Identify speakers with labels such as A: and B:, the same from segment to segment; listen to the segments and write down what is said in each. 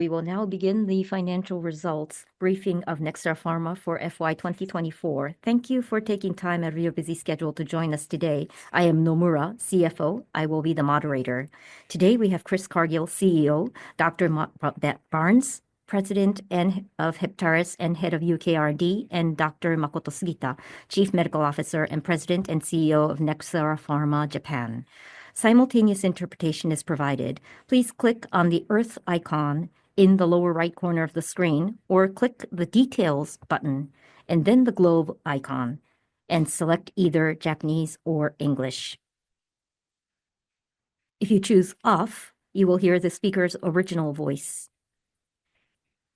A: We will now begin the financial results briefing of Nxera Pharma for FY 2024. Thank you for taking time out of your busy schedule to join us today. I am Nomura, CFO. I will be the moderator. Today we have Chris Cargill, CEO; Dr. Matt Barnes, President and Head of R&D at Nxera Pharma UK; and Dr. Makoto Sugita, Chief Medical Officer and President and CEO of Nxera Pharma Japan. Simultaneous interpretation is provided. Please click on the Earth icon in the lower right corner of the screen, or click the Details button, and then the Globe icon, and select either Japanese or English. If you choose Off, you will hear the speaker's original voice.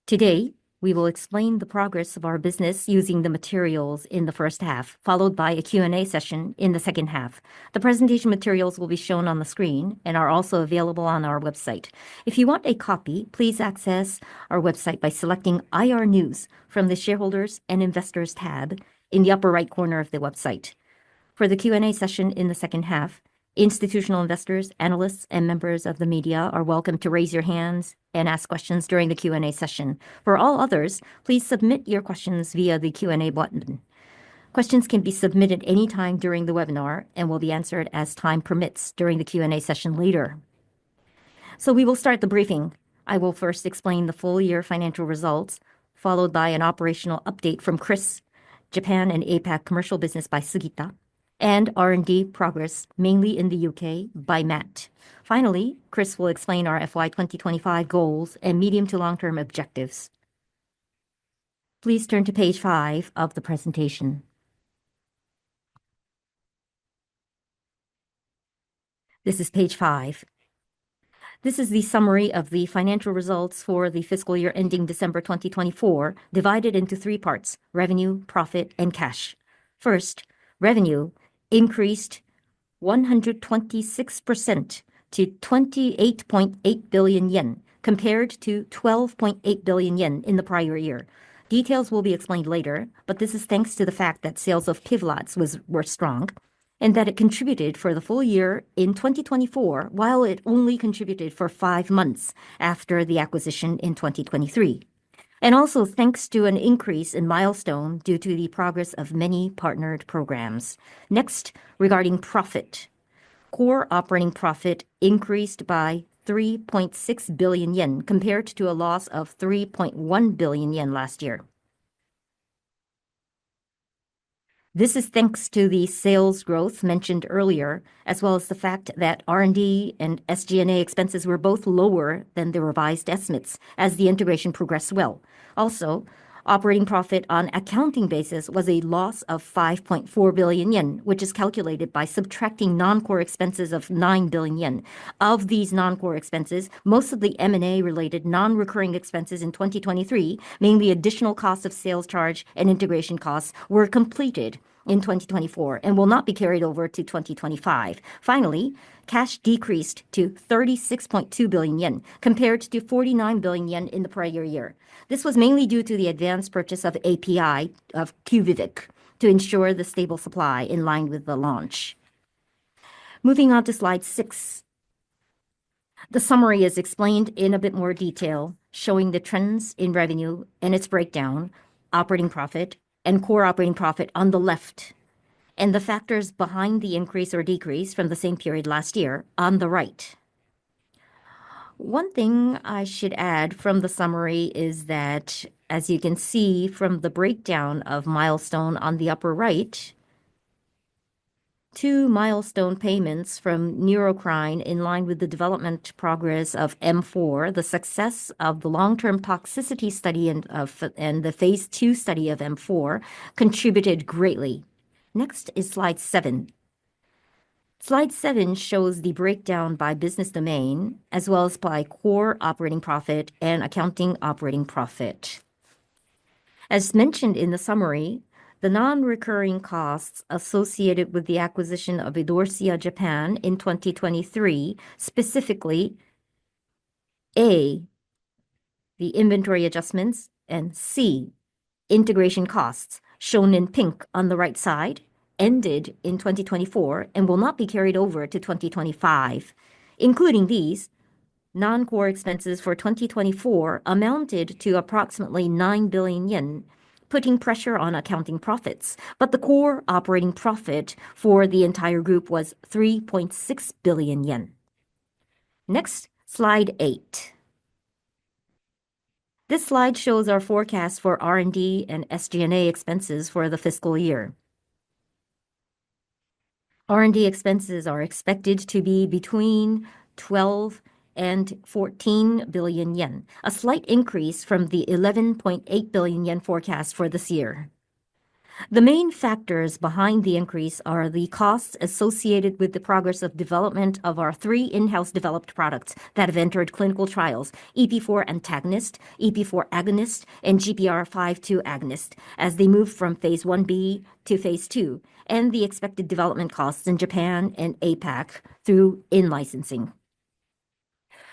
A: Today, we will explain the progress of our business using the materials in the first half, followed by a Q&A session in the second half. The presentation materials will be shown on the screen and are also available on our website. If you want a copy, please access our website by selecting IR News from the Shareholders and Investors tab in the upper right corner of the website. For the Q&A session in the second half, institutional investors, analysts, and members of the media are welcome to raise your hands and ask questions during the Q&A session. For all others, please submit your questions via the Q&A button. Questions can be submitted anytime during the webinar and will be answered as time permits during the Q&A session later. We will start the briefing. I will first explain the full year financial results, followed by an operational update from Chris, Japan and APAC commercial business by Sugita, and R&D progress, mainly in the U.K., by Matt. Finally, Chris will explain our FY 2025 goals and medium to long-term objectives. Please turn to page five of the presentation. This is page five. This is the summary of the financial results for the fiscal year ending December 2024, divided into three parts: revenue, profit, and cash. First, revenue increased 126% to 28.8 billion yen, compared to 12.8 billion yen in the prior year. Details will be explained later, but this is thanks to the fact that sales of Pivlaz were strong and that it contributed for the full year in 2024, while it only contributed for five months after the acquisition in 2023. Also thanks to an increase in milestones due to the progress of many partnered programs. Next, regarding profit, core operating profit increased by 3.6 billion yen, compared to a loss of 3.1 billion yen last year. This is thanks to the sales growth mentioned earlier, as well as the fact that R&D and SG&A expenses were both lower than the revised estimates as the integration progressed well. Also, operating profit on an accounting basis was a loss of 5.4 billion yen, which is calculated by subtracting non-core expenses of 9 billion yen. Of these non-core expenses, most of the M&A-related non-recurring expenses in 2023, mainly additional cost of sales charge and integration costs, were completed in 2024 and will not be carried over to 2025. Finally, cash decreased to 36.2 billion yen, compared to 49 billion yen in the prior year. This was mainly due to the advanced purchase of API of QUVIVIQ to ensure the stable supply in line with the launch. Moving on to slide six, the summary is explained in a bit more detail, showing the trends in revenue and its breakdown, operating profit and core operating profit on the left, and the factors behind the increase or decrease from the same period last year on the right. One thing I should add from the summary is that, as you can see from the breakdown of milestones on the upper right, two milestone payments from Neurocrine in line with the development progress of M4, the success of the long-term toxicity study and the phase two study of M4, contributed greatly. Next is slide seven. Slide seven shows the breakdown by business domain, as well as by core operating profit and accounting operating profit. As mentioned in the summary, the non-recurring costs associated with the acquisition of Idorsia Japan in 2023, specifically A, the inventory adjustments, and C, integration costs, shown in pink on the right side, ended in 2024 and will not be carried over to 2025. Including these, non-core expenses for 2024 amounted to approximately 9 billion yen, putting pressure on accounting profits, but the core operating profit for the entire group was 3.6 billion yen. Next, slide eight. This slide shows our forecast for R&D and SG&A expenses for the fiscal year. R&D expenses are expected to be between 12 billion-14 billion yen, a slight increase from the 11.8 billion yen forecast for this year. The main factors behind the increase are the costs associated with the progress of development of our three in-house developed products that have entered clinical trials: EP4 antagonist, EP4 agonist, and GPR52 agonist, as they move from phase one B to phase two, and the expected development costs in Japan and APAC through in-licensing.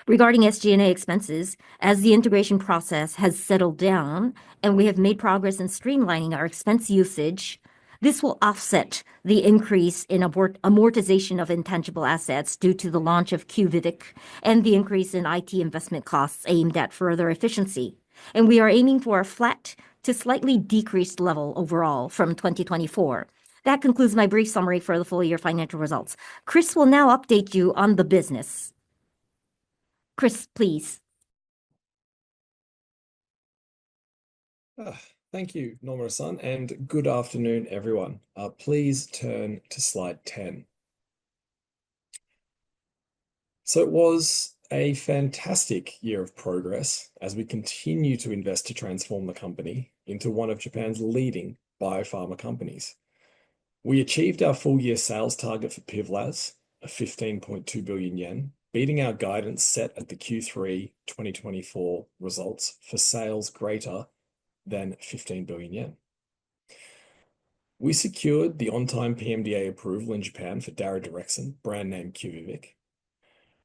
A: Regarding SG&A expenses, as the integration process has settled down and we have made progress in streamlining our expense usage, this will offset the increase in amortization of intangible assets due to the launch of QUVIVIQ and the increase in IT investment costs aimed at further efficiency. We are aiming for a flat to slightly decreased level overall from 2024. That concludes my brief summary for the full year financial results. Chris will now update you on the business. Chris, please.
B: Thank you, Nomura-san, and good afternoon, everyone. Please turn to slide ten. It was a fantastic year of progress as we continue to invest to transform the company into one of Japan's leading biopharma companies. We achieved our full year sales target for PivLaz of 15.2 billion yen, beating our guidance set at the Q3 2024 results for sales greater than 15 billion yen. We secured the on-time PMDA approval in Japan for daridorexant, brand name QUVIVIQ.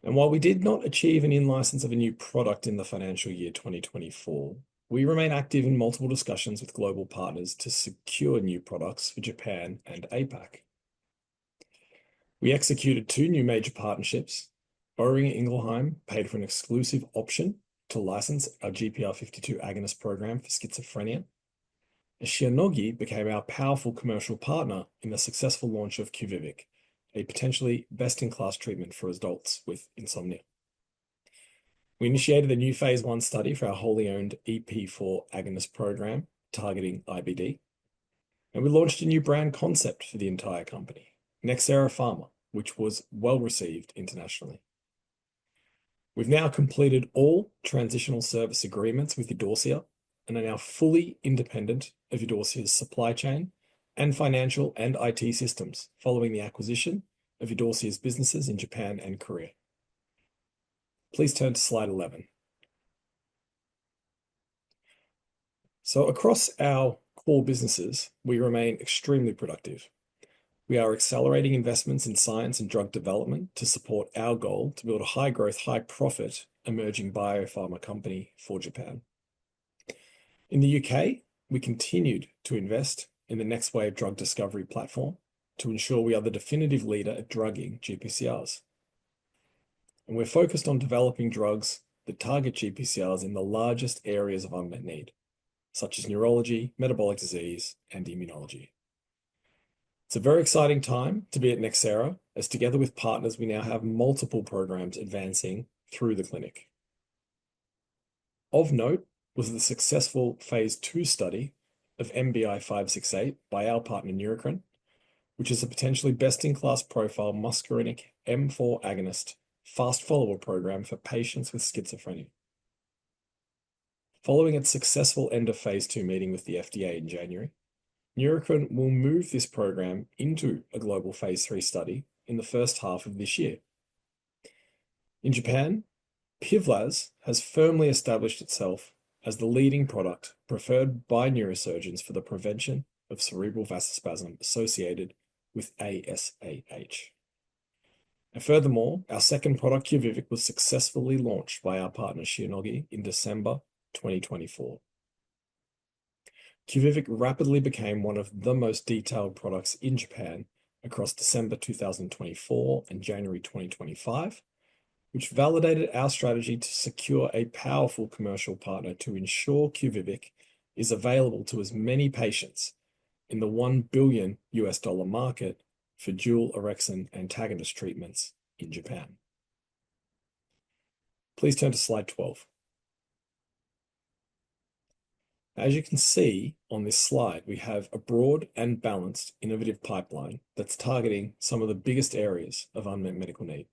B: While we did not achieve an in-license of a new product in the financial year 2024, we remain active in multiple discussions with global partners to secure new products for Japan and Asia-Pacific. We executed two new major partnerships. Boehringer Ingelheim paid for an exclusive option to license our GPR52 agonist program for schizophrenia. Shionogi became our powerful commercial partner in the successful launch of QUVIVIQ, a potentially best-in-class treatment for adults with insomnia. We initiated a new phase I study for our wholly owned EP4 agonist program targeting IBD, and we launched a new brand concept for the entire company, Nxera Pharma, which was well received internationally. We have now completed all transitional service agreements with Idorsia and are now fully independent of Idorsia's supply chain and financial and IT systems following the acquisition of Idorsia's businesses in Japan and South Korea. Please turn to slide 11. Across our core businesses, we remain extremely productive. We are accelerating investments in science and drug development to support our goal to build a high-growth, high-profit emerging biopharma company for Japan. In the U.K., we continued to invest in the NextWave drug discovery platform to ensure we are the definitive leader at drugging GPCRs. We are focused on developing drugs that target GPCRs in the largest areas of unmet need, such as neurology, metabolic disease, and immunology. It is a very exciting time to be at Nxera, as together with partners, we now have multiple programs advancing through the clinic. Of note was the successful phase two study of NBI-568 by our partner, Neurocrine Biosciences, which is a potentially best-in-class profile muscarinic M4 agonist fast-follower program for patients with schizophrenia. Following its successful end of phase two meeting with the FDA in January, Neurocrine Biosciences will move this program into a global phase three study in the first half of this year. In Japan, Pivlaz has firmly established itself as the leading product preferred by neurosurgeons for the prevention of cerebral vasospasm associated with ASAH. Furthermore, our second product, QUVIVIQ, was successfully launched by our partner, Shionogi, in December 2024. QUVIVIQ rapidly became one of the most detailed products in Japan across December 2024 and January 2025, which validated our strategy to secure a powerful commercial partner to ensure QUVIVIQ is available to as many patients in the $1 billion market for dual orexin antagonist treatments in Japan. Please turn to slide 12. As you can see on this slide, we have a broad and balanced innovative pipeline that's targeting some of the biggest areas of unmet medical need.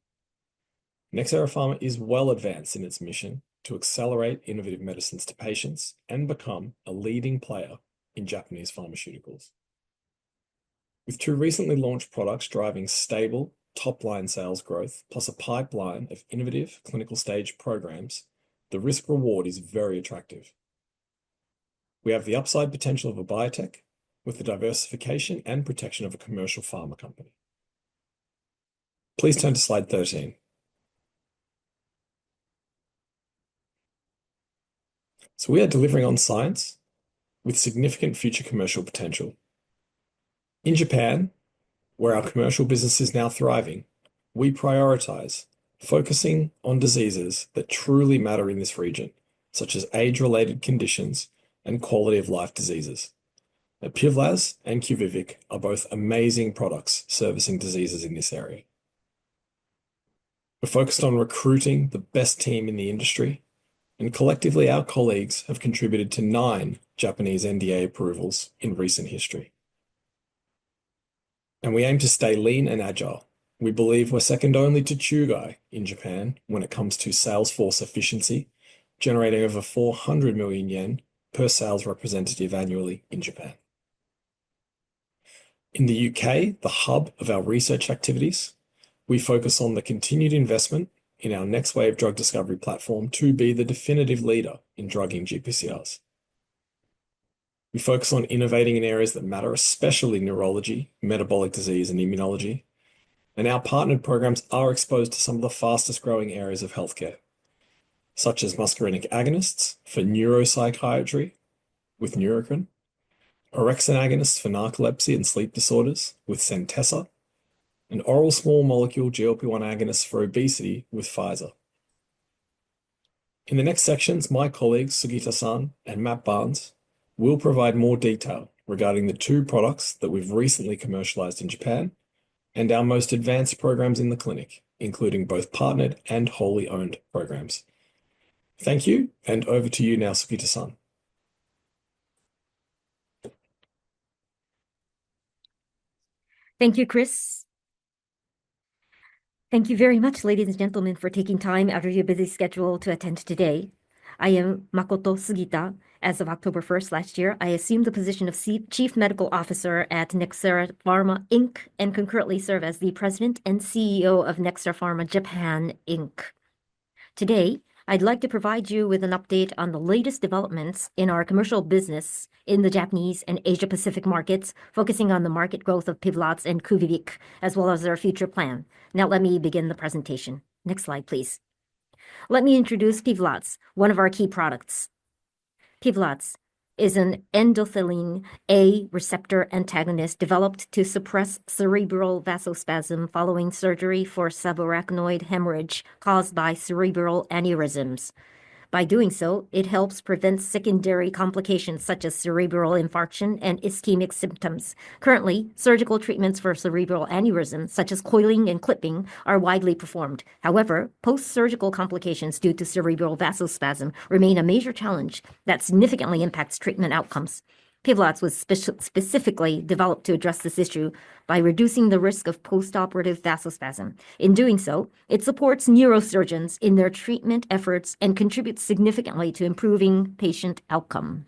B: Nxera Pharma is well advanced in its mission to accelerate innovative medicines to patients and become a leading player in Japanese pharmaceuticals. With two recently launched products driving stable top-line sales growth, plus a pipeline of innovative clinical stage programs, the risk-reward is very attractive. We have the upside potential of a biotech with the diversification and protection of a commercial pharma company. Please turn to slide 13. We are delivering on science with significant future commercial potential. In Japan, where our commercial business is now thriving, we prioritize focusing on diseases that truly matter in this region, such as age-related conditions and quality-of-life diseases. PivLaz and QUVIVIC are both amazing products servicing diseases in this area. We're focused on recruiting the best team in the industry, and collectively, our colleagues have contributed to nine Japanese NDA approvals in recent history. We aim to stay lean and agile. We believe we're second only to Chugai in Japan when it comes to sales force efficiency, generating over 400 million yen per sales representative annually in Japan. In the U.K., the hub of our research activities, we focus on the continued investment in our nextwave drug discovery platform to be the definitive leader in drugging GPCRs. We focus on innovating in areas that matter, especially neurology, metabolic disease, and immunology. Our partnered programs are exposed to some of the fastest-growing areas of healthcare, such as muscarinic agonists for neuropsychiatry with Neurocrine, orexin agonists for narcolepsy and sleep disorders with Centessa, and oral small molecule GLP-1 agonists for obesity with Pfizer. In the next sections, my colleagues, Sugita-san and Matt Barnes, will provide more detail regarding the two products that we've recently commercialized in Japan and our most advanced programs in the clinic, including both partnered and wholly owned programs. Thank you, and over to you now, Sugita-san.
C: Thank you, Chris. Thank you very much, ladies and gentlemen, for taking time out of your busy schedule to attend today. I am Makoto Sugita. As of October 1 last year, I assumed the position of Chief Medical Officer at Nxera Pharma and concurrently serve as the President and CEO of Nxera Pharma Japan. Today, I'd like to provide you with an update on the latest developments in our commercial business in the Japanese and Asia-Pacific markets, focusing on the market growth of PivLaz and QUVIVIQ, as well as their future plan. Now, let me begin the presentation. Next slide, please. Let me introduce PivLaz, one of our key products. PivLaz is an endothelin A receptor antagonist developed to suppress cerebral vasospasm following surgery for subarachnoid hemorrhage caused by cerebral aneurysms. By doing so, it helps prevent secondary complications such as cerebral infarction and ischemic symptoms. Currently, surgical treatments for cerebral aneurysms, such as coiling and clipping, are widely performed. However, post-surgical complications due to cerebral vasospasm remain a major challenge that significantly impacts treatment outcomes. Pivlaz was specifically developed to address this issue by reducing the risk of post-operative vasospasm. In doing so, it supports neurosurgeons in their treatment efforts and contributes significantly to improving patient outcome.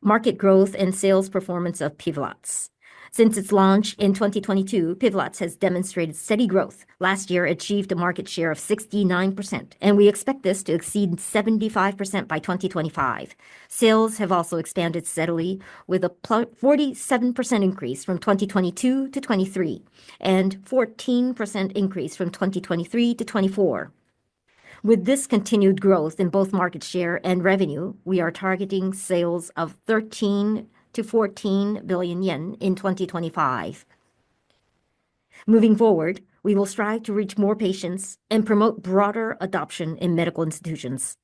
C: Market growth and sales performance of Pivlaz. Since its launch in 2022, Pivlaz has demonstrated steady growth. Last year, it achieved a market share of 69%, and we expect this to exceed 75% by 2025. Sales have also expanded steadily, with a 47% increase from 2022 to 2023 and a 14% increase from 2023 to 2024. With this continued growth in both market share and revenue, we are targeting sales of 13-14 billion yen in 2025. Moving forward, we will strive to reach more patients and promote broader adoption in medical institutions.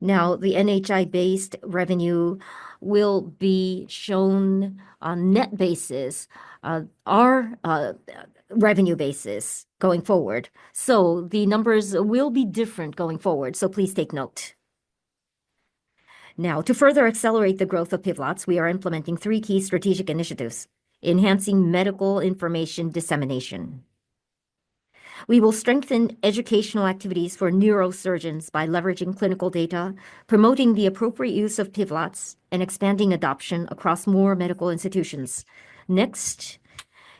C: The NHI-based revenue will be shown on net basis, our revenue basis going forward. The numbers will be different going forward, so please take note. To further accelerate the growth of Pivlaz, we are implementing three key strategic initiatives: enhancing medical information dissemination. We will strengthen educational activities for neurosurgeons by leveraging clinical data, promoting the appropriate use of Pivlaz, and expanding adoption across more medical institutions. Next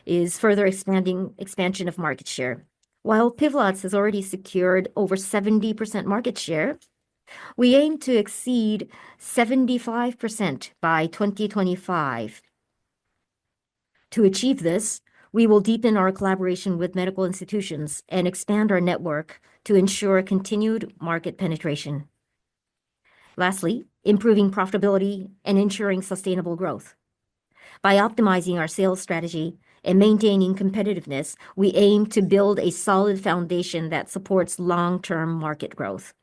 C: is further expanding expansion of market share. While Pivlaz has already secured over 70% market share, we aim to exceed 75% by 2025. To achieve this, we will deepen our collaboration with medical institutions and expand our network to ensure continued market penetration. Lastly, improving profitability and ensuring sustainable growth. By optimizing our sales strategy and maintaining competitiveness, we aim to build a solid foundation that supports long-term market growth.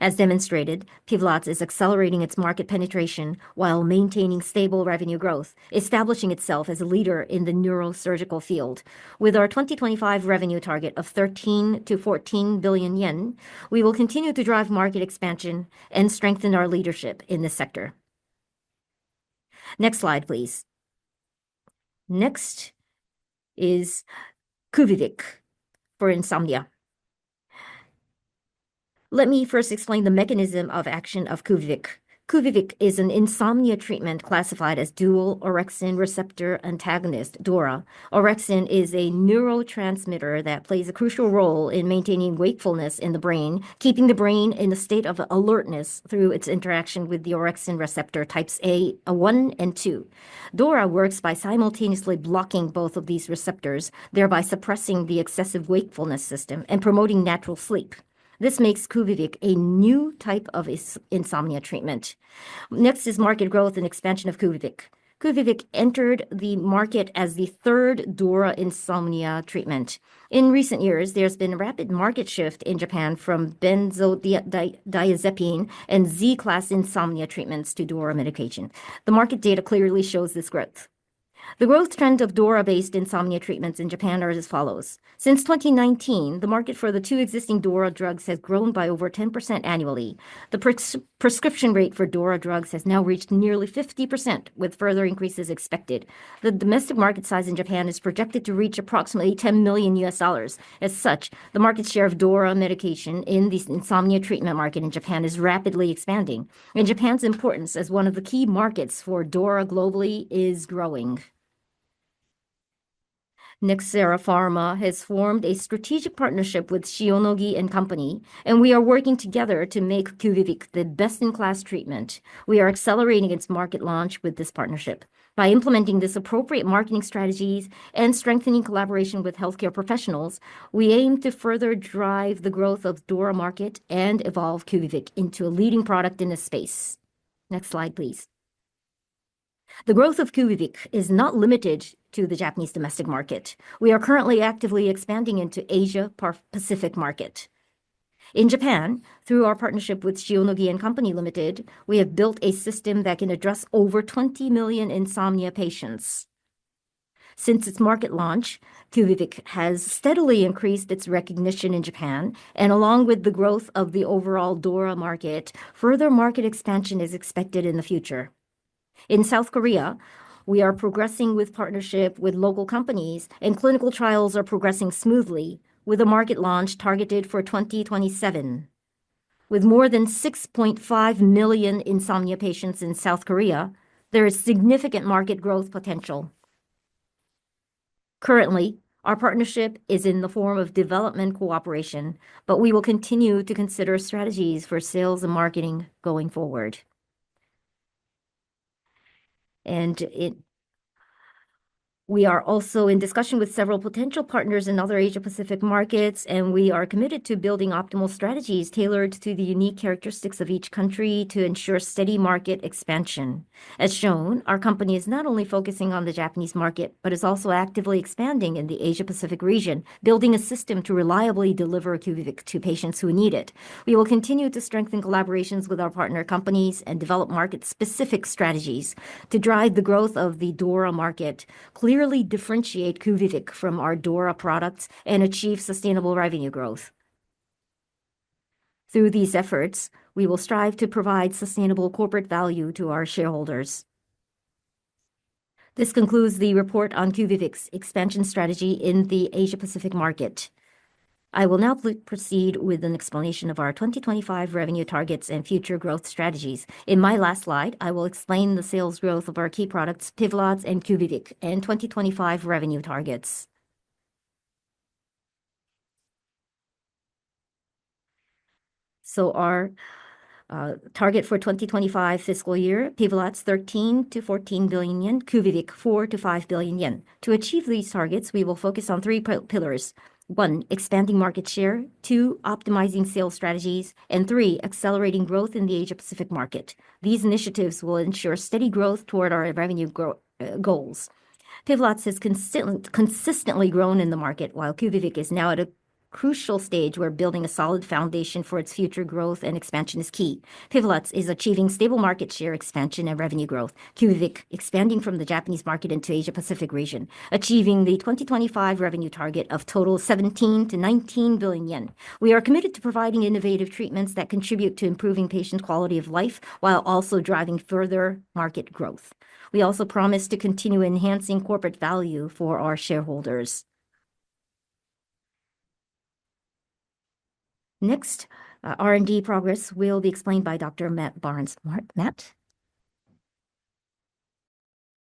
C: As demonstrated, Pivlaz is accelerating its market penetration while maintaining stable revenue growth, establishing itself as a leader in the neurosurgical field. With our 2025 revenue target of 13 billion-14 billion yen, we will continue to drive market expansion and strengthen our leadership in this sector. Next slide, please. Next is QUVIVIQ for insomnia. Let me first explain the mechanism of action of QUVIVIQ. QUVIVIQ is an insomnia treatment classified as dual orexin receptor antagonist, DORA. Orexin is a neurotransmitter that plays a crucial role in maintaining wakefulness in the brain, keeping the brain in a state of alertness through its interaction with the orexin receptor types 1 and 2. DORA works by simultaneously blocking both of these receptors, thereby suppressing the excessive wakefulness system and promoting natural sleep. This makes QUVIVIQ a new type of insomnia treatment. Next is market growth and expansion of QUVIVIQ. QUVIVIQ entered the market as the third DORA insomnia treatment. In recent years, there's been a rapid market shift in Japan from benzodiazepine and Z-class insomnia treatments to DORA medication. The market data clearly shows this growth. The growth trend of DORA-based insomnia treatments in Japan is as follows. Since 2019, the market for the two existing DORA drugs has grown by over 10% annually. The prescription rate for DORA drugs has now reached nearly 50%, with further increases expected. The domestic market size in Japan is projected to reach approximately $10 million. As such, the market share of DORA medication in the insomnia treatment market in Japan is rapidly expanding. Japan's importance as one of the key markets for DORA globally is growing. Nxera Pharma has formed a strategic partnership with Shionogi, and we are working together to make QUVIVIQ the best-in-class treatment. We are accelerating its market launch with this partnership. By implementing appropriate marketing strategies and strengthening collaboration with healthcare professionals, we aim to further drive the growth of the DORA market and evolve QUVIVIQ into a leading product in this space. Next slide, please. The growth of QUVIVIQ is not limited to the Japanese domestic market. We are currently actively expanding into the Asia-Pacific market. In Japan, through our partnership with Shionogi, we have built a system that can address over 20 million insomnia patients. Since its market launch, QUVIVIQ has steadily increased its recognition in Japan, and along with the growth of the overall DORA market, further market expansion is expected in the future. In South Korea, we are progressing with partnerships with local companies, and clinical trials are progressing smoothly, with a market launch targeted for 2027. With more than 6.5 million insomnia patients in South Korea, there is significant market growth potential. Currently, our partnership is in the form of development cooperation, but we will continue to consider strategies for sales and marketing going forward. We are also in discussion with several potential partners in other Asia-Pacific markets, and we are committed to building optimal strategies tailored to the unique characteristics of each country to ensure steady market expansion. As shown, our company is not only focusing on the Japanese market, but is also actively expanding in the Asia-Pacific region, building a system to reliably deliver QUVIVIQ to patients who need it. We will continue to strengthen collaborations with our partner companies and develop market-specific strategies to drive the growth of the DORA market, clearly differentiate QUVIVIQ from our DORA products, and achieve sustainable revenue growth. Through these efforts, we will strive to provide sustainable corporate value to our shareholders. This concludes the report on QUVIVIQ's expansion strategy in the Asia-Pacific market. I will now proceed with an explanation of our 2025 revenue targets and future growth strategies. In my last slide, I will explain the sales growth of our key products, Pivlaz and QUVIVIQ, and 2025 revenue targets. Our target for the 2025 fiscal year, Pivlaz, is 13 billion-14 billion yen, QUVIVIQ, 4 billion-5 billion yen. To achieve these targets, we will focus on three pillars: one, expanding market share; two, optimizing sales strategies; and three, accelerating growth in the Asia-Pacific market. These initiatives will ensure steady growth toward our revenue goals. Pivlaz has consistently grown in the market, while QUVIVIQ is now at a crucial stage where building a solid foundation for its future growth and expansion is key. PivLaz is achieving stable market share expansion and revenue growth, QUVIVIQ expanding from the Japanese market into the Asia-Pacific region, achieving the 2025 revenue target of total 17 billion-19 billion yen. We are committed to providing innovative treatments that contribute to improving patients' quality of life while also driving further market growth. We also promise to continue enhancing corporate value for our shareholders. Next, R&D progress will be explained by Dr. Matt Barnes. Matt?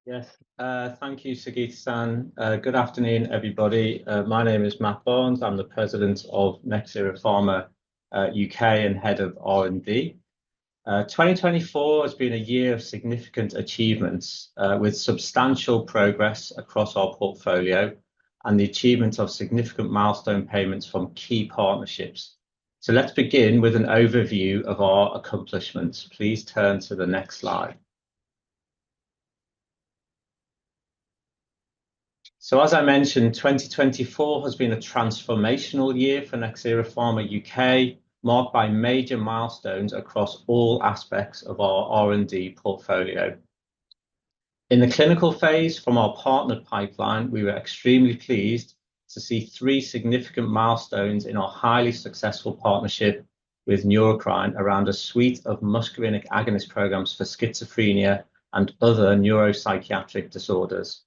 D: Yes, thank you, Sugita-san. Good afternoon, everybody. My name is Matt Barnes. I'm the President of Nxera Pharma U.K. and Head of R&D. 2024 has been a year of significant achievements with substantial progress across our portfolio and the achievement of significant milestone payments from key partnerships. Let's begin with an overview of our accomplishments. Please turn to the next slide. As I mentioned, 2024 has been a transformational year for Nxera Pharma U.K., marked by major milestones across all aspects of our R&D portfolio. In the clinical phase from our partner pipeline, we were extremely pleased to see three significant milestones in our highly successful partnership with Neurocrine Biosciences around a suite of muscarinic agonist programs for schizophrenia and other neuropsychiatric disorders.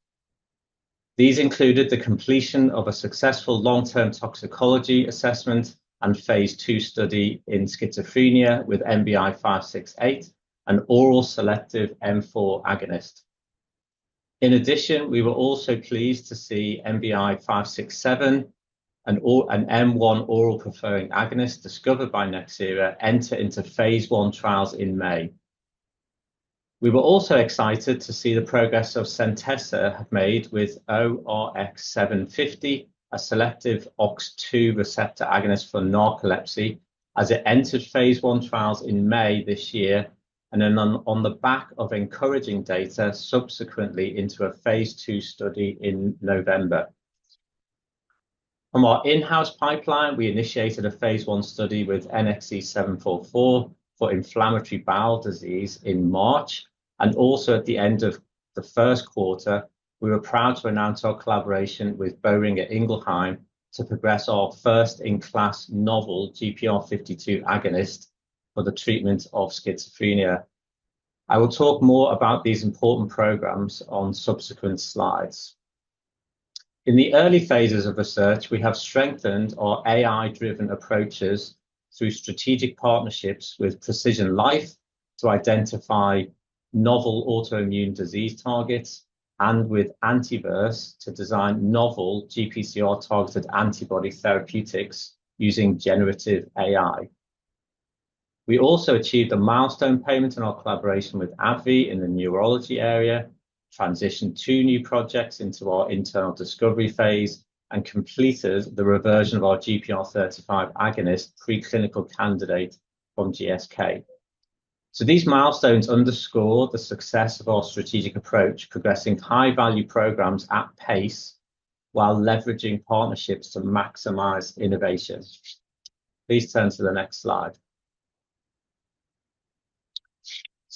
D: These included the completion of a successful long-term toxicology assessment and phase 2 study in schizophrenia with NBI-568, an oral selective M4 agonist. In addition, we were also pleased to see NBI-567 and an M1 oral preferring agonist discovered by Nxera enter into phase one trials in May. We were also excited to see the progress Centessa have made with ORX750, a selective OX2 receptor agonist for narcolepsy, as it entered phase one trials in May this year and then on the back of encouraging data subsequently into a phase two study in November. On our in-house pipeline, we initiated a phase one study with NXE 744 for inflammatory bowel disease in March, and also at the end of the first quarter, we were proud to announce our collaboration with Boehringer Ingelheim to progress our first in-class novel GPR52 agonist for the treatment of schizophrenia. I will talk more about these important programs on subsequent slides. In the early phases of research, we have strengthened our AI-driven approaches through strategic partnerships with PrecisionLife to identify novel autoimmune disease targets and with Antiverse to design novel GPCR-targeted antibody therapeutics using generative AI. We also achieved a milestone payment in our collaboration with AbbVie in the neurology area, transitioned two new projects into our internal discovery phase, and completed the reversion of our GPR35 agonist preclinical candidate from GSK. These milestones underscore the success of our strategic approach, progressing high-value programs at pace while leveraging partnerships to maximize innovation. Please turn to the next slide.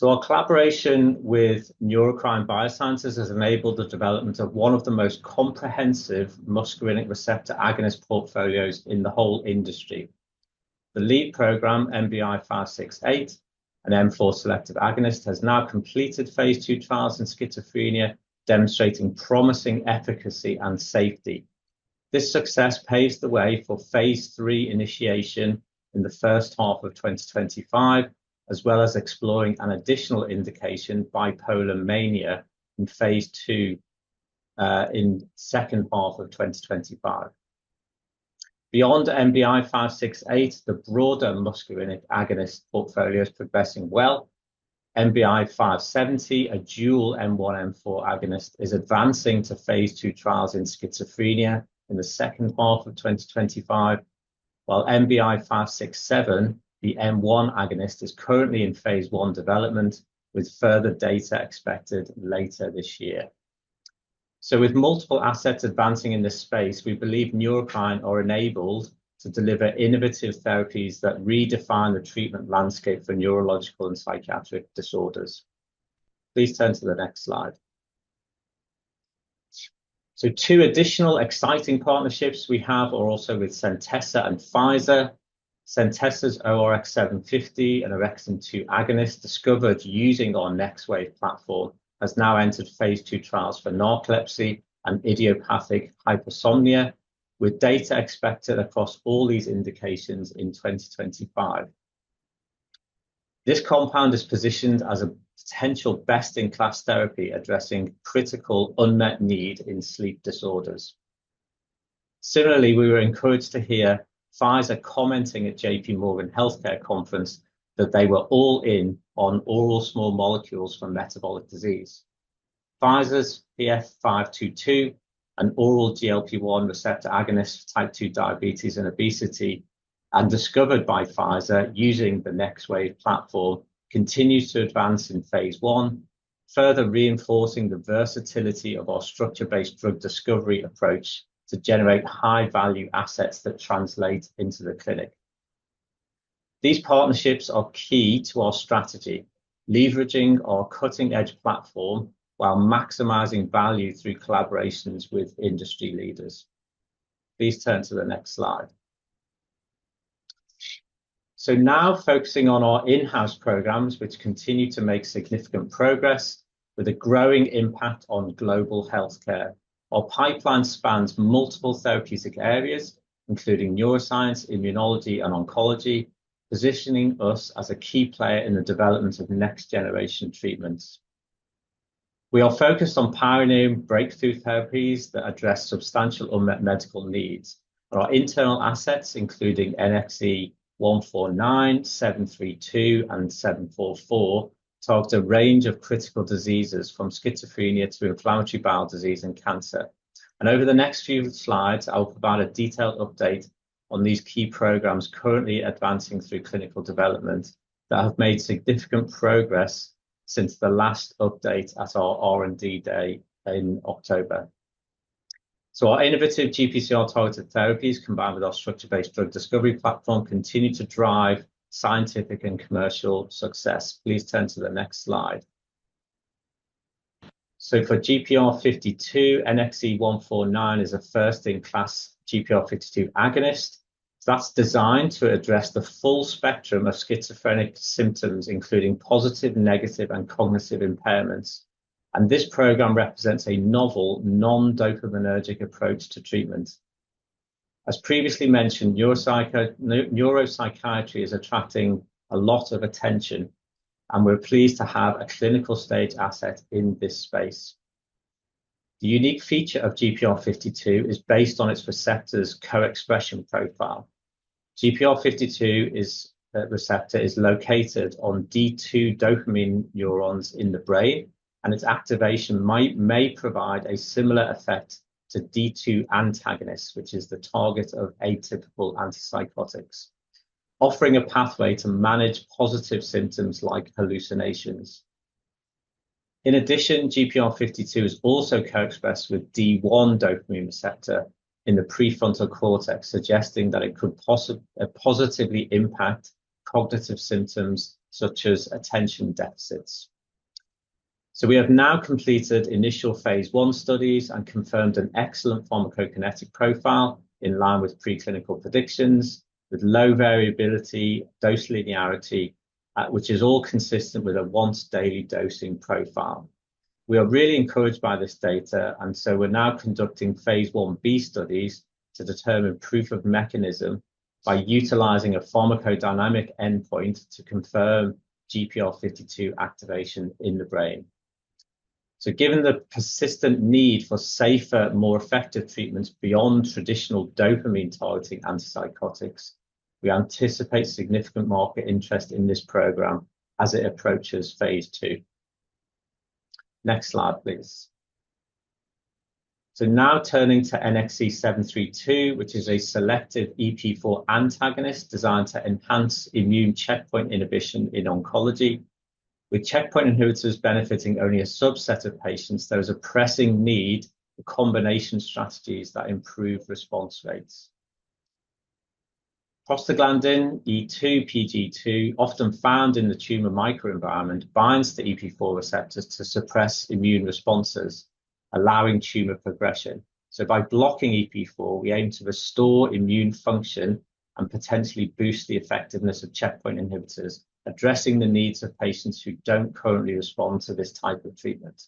D: Our collaboration with Neurocrine Biosciences has enabled the development of one of the most comprehensive muscarinic receptor agonist portfolios in the whole industry. The lead program, NBI-568, an M4 selective agonist, has now completed phase two trials in schizophrenia, demonstrating promising efficacy and safety. This success paves the way for phase three initiation in the first half of 2025, as well as exploring an additional indication, bipolar mania, in phase two in the second half of 2025. Beyond NBI-568, the broader muscarinic agonist portfolio is progressing well. NBI-570, a dual M1-M4 agonist, is advancing to phase two trials in schizophrenia in the second half of 2025, while NBI-567, the M1 agonist, is currently in phase one development, with further data expected later this year. With multiple assets advancing in this space, we believe Neurocrine Biosciences are enabled to deliver innovative therapies that redefine the treatment landscape for neurological and psychiatric disorders. Please turn to the next slide. Two additional exciting partnerships we have are also with Centessa and Pfizer. Centessa's ORX750 and OX2 agonist discovered using our NextWave platform has now entered phase two trials for narcolepsy and idiopathic hypersomnia, with data expected across all these indications in 2025. This compound is positioned as a potential best-in-class therapy addressing critical unmet need in sleep disorders. Similarly, we were encouraged to hear Pfizer commenting at JP Morgan Healthcare Conference that they were all in on oral small molecules for metabolic disease. Pfizer's PF 522, an oral GLP-1 receptor agonist for type 2 diabetes and obesity discovered by Pfizer using the NextWave platform, continues to advance in phase one, further reinforcing the versatility of our structure-based drug discovery approach to generate high-value assets that translate into the clinic. These partnerships are key to our strategy, leveraging our cutting-edge platform while maximizing value through collaborations with industry leaders. Please turn to the next slide. Now focusing on our in-house programs, which continue to make significant progress with a growing impact on global healthcare. Our pipeline spans multiple therapeutic areas, including neuroscience, immunology, and oncology, positioning us as a key player in the development of next-generation treatments. We are focused on pioneering breakthrough therapies that address substantial unmet medical needs. Our internal assets, including NXE149, 732, and 744, target a range of critical diseases from schizophrenia to inflammatory bowel disease and cancer. Over the next few slides, I'll provide a detailed update on these key programs currently advancing through clinical development that have made significant progress since the last update at our R&D day in October. Our innovative GPCR-targeted therapies, combined with our structure-based drug discovery platform, continue to drive scientific and commercial success. Please turn to the next slide. For GPR52, NXE149 is a first-in-class GPR52 agonist. That's designed to address the full spectrum of schizophrenic symptoms, including positive, negative, and cognitive impairments. This program represents a novel non-dopaminergic approach to treatment. As previously mentioned, neuropsychiatry is attracting a lot of attention, and we're pleased to have a clinical stage asset in this space. The unique feature of GPR52 is based on its receptor's co-expression profile. GPR52 receptor is located on D2 dopamine neurons in the brain, and its activation may provide a similar effect to D2 antagonists, which is the target of atypical antipsychotics, offering a pathway to manage positive symptoms like hallucinations. In addition, GPR52 is also co-expressed with D1 dopamine receptor in the prefrontal cortex, suggesting that it could positively impact cognitive symptoms such as attention deficits. We have now completed initial phase one studies and confirmed an excellent pharmacokinetic profile in line with preclinical predictions, with low variability, dose linearity, which is all consistent with a once-daily dosing profile. We are really encouraged by this data, and we are now conducting phase one B studies to determine proof of mechanism by utilizing a pharmacodynamic endpoint to confirm GPR52 activation in the brain. Given the persistent need for safer, more effective treatments beyond traditional dopamine-targeting antipsychotics, we anticipate significant market interest in this program as it approaches phase two. Next slide, please. Now turning to NXE732, which is a selective EP4 antagonist designed to enhance immune checkpoint inhibition in oncology. With checkpoint inhibitors benefiting only a subset of patients, there is a pressing need for combination strategies that improve response rates. Prostaglandin E2, often found in the tumor microenvironment, binds to EP4 receptors to suppress immune responses, allowing tumor progression. By blocking EP4, we aim to restore immune function and potentially boost the effectiveness of checkpoint inhibitors, addressing the needs of patients who do not currently respond to this type of treatment.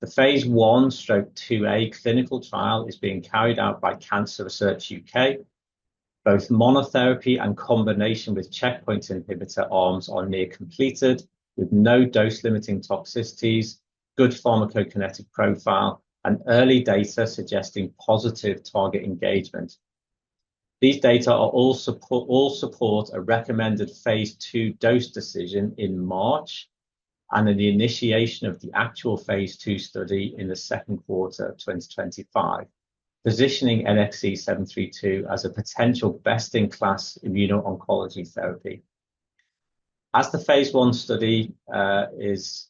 D: The phase I/IIa clinical trial is being carried out by Cancer Research UK. Both monotherapy and combination with checkpoint inhibitor arms are near completed with no dose-limiting toxicities, good pharmacokinetic profile, and early data suggesting positive target engagement. These data all support a recommended phase II dose decision in March and the initiation of the actual phase II study in the second quarter of 2025, positioning NXE 732 as a potential best-in-class immuno-oncology therapy. As the phase I study is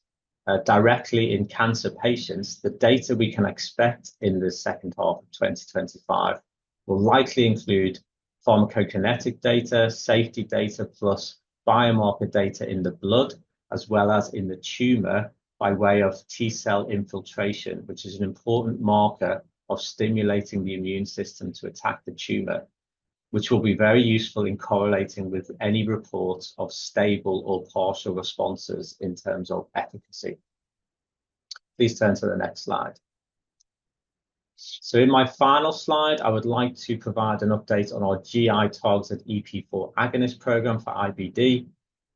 D: directly in cancer patients, the data we can expect in the second half of 2025 will likely include pharmacokinetic data, safety data, plus biomarker data in the blood, as well as in the tumor by way of T cell infiltration, which is an important marker of stimulating the immune system to attack the tumor, which will be very useful in correlating with any reports of stable or partial responses in terms of efficacy. Please turn to the next slide. In my final slide, I would like to provide an update on our GI-targeted EP4 agonist program for IBD,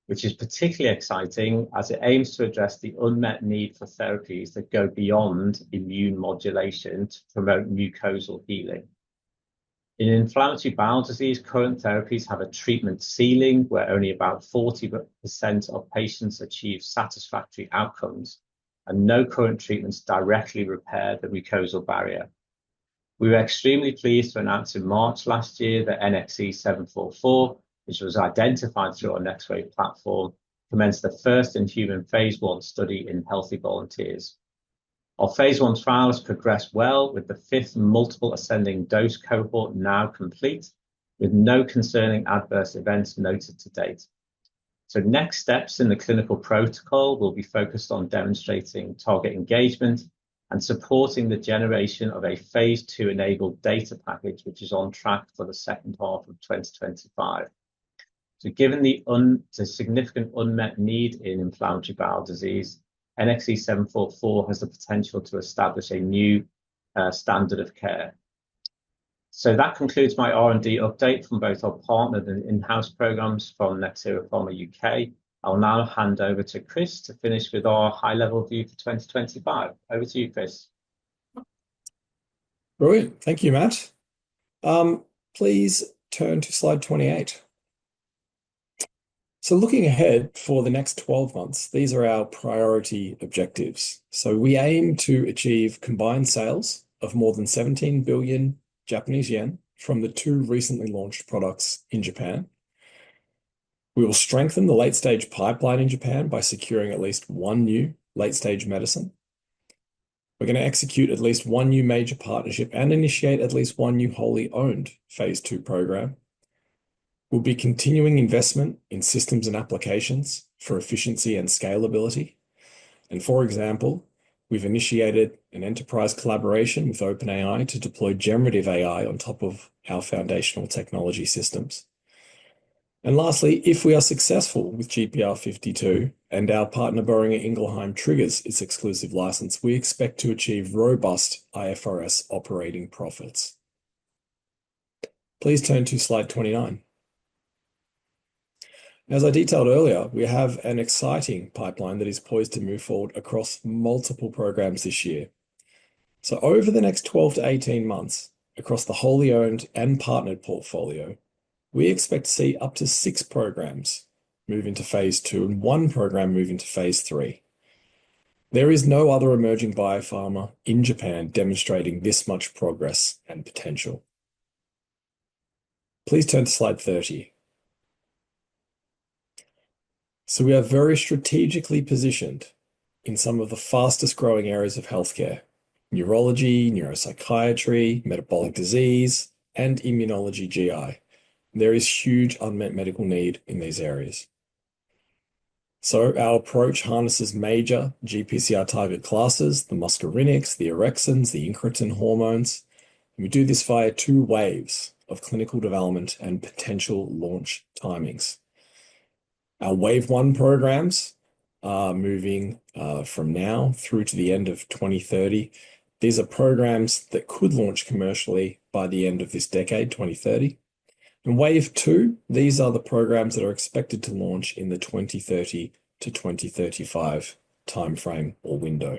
D: which is particularly exciting as it aims to address the unmet need for therapies that go beyond immune modulation to promote mucosal healing. In inflammatory bowel disease, current therapies have a treatment ceiling where only about 40% of patients achieve satisfactory outcomes, and no current treatments directly repair the mucosal barrier. We were extremely pleased to announce in March last year that NXE 744, which was identified through our NextWave platform, commenced the first in human phase one study in healthy volunteers. Our phase one trials progressed well with the fifth multiple ascending dose cohort now complete, with no concerning adverse events noted to date. The next steps in the clinical protocol will be focused on demonstrating target engagement and supporting the generation of a phase two enabled data package, which is on track for the second half of 2025. Given the significant unmet need in inflammatory bowel disease, NXE 744 has the potential to establish a new standard of care. That concludes my R&D update from both our partnered and in-house programs from Nxera Pharma U.K. I'll now hand over to Chris to finish with our high-level view for 2025. Over to you, Chris.
B: Brilliant. Thank you, Matt. Please turn to slide 28. Looking ahead for the next 12 months, these are our priority objectives. We aim to achieve combined sales of more than 17 billion Japanese yen from the two recently launched products in Japan. We will strengthen the late-stage pipeline in Japan by securing at least one new late-stage medicine. We're going to execute at least one new major partnership and initiate at least one new wholly owned phase two program. We'll be continuing investment in systems and applications for efficiency and scalability. For example, we've initiated an enterprise collaboration with OpenAI to deploy generative AI on top of our foundational technology systems. Lastly, if we are successful with GPR52 and our partner Boehringer Ingelheim triggers its exclusive license, we expect to achieve robust IFRS operating profits. Please turn to slide 29. As I detailed earlier, we have an exciting pipeline that is poised to move forward across multiple programs this year. Over the next 12 to 18 months, across the wholly owned and partnered portfolio, we expect to see up to six programs move into phase two and one program move into phase three. There is no other emerging biopharma in Japan demonstrating this much progress and potential. Please turn to slide 30. We are very strategically positioned in some of the fastest growing areas of healthcare: neurology, neuropsychiatry, metabolic disease, and immunology GI. There is huge unmet medical need in these areas. Our approach harnesses major GPCR target classes: the muscarinics, the orexins, the incretin hormones. We do this via two waves of clinical development and potential launch timings. Our wave one programs are moving from now through to the end of 2030. These are programs that could launch commercially by the end of this decade, 2030. Wave two, these are the programs that are expected to launch in the 2030-2035 timeframe or window.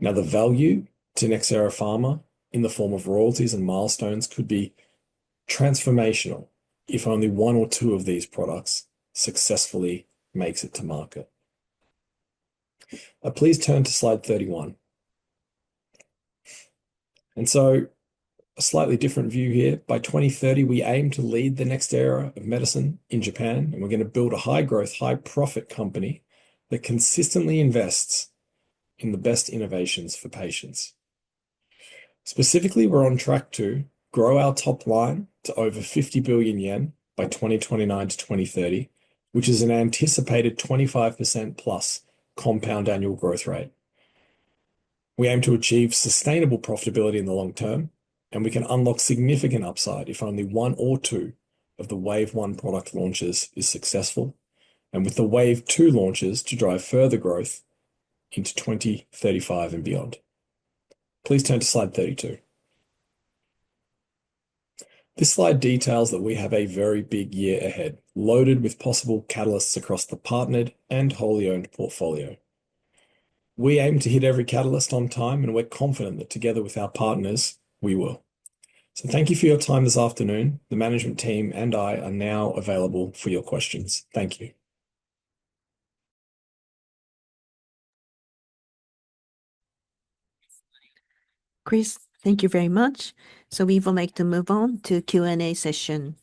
B: The value to Nxera Pharma in the form of royalties and milestones could be transformational if only one or two of these products successfully make it to market. Please turn to slide 31. A slightly different view here. By 2030, we aim to lead the next era of medicine in Japan, and we are going to build a high-growth, high-profit company that consistently invests in the best innovations for patients. Specifically, we're on track to grow our top line to over 50 billion yen by 2029 to 2030, which is an anticipated 25%+ compound annual growth rate. We aim to achieve sustainable profitability in the long term, and we can unlock significant upside if only one or two of the wave one product launches are successful, and with the wave two launches to drive further growth into 2035 and beyond. Please turn to slide 32. This slide details that we have a very big year ahead, loaded with possible catalysts across the partnered and wholly owned portfolio. We aim to hit every catalyst on time, and we're confident that together with our partners, we will. Thank you for your time this afternoon. The management team and I are now available for your questions. Thank you.
C: Chris, thank you very much. We would like to move on to the Q&A session.